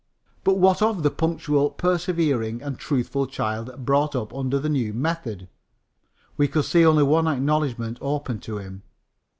But what of the punctual, persevering and truthful child brought up under the new method? We could see only one acknowledgment open to him.